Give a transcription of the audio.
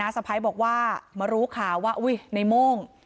สะพ้ายบอกว่ามารู้ข่าวว่าในโม่ง